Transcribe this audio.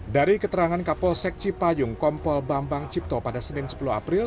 dari keterangan kapol sekci payung kompol bambang cipto pada senin sepuluh april